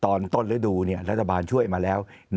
ตอนต้นฤดูรัฐบาลช่วยมาแล้ว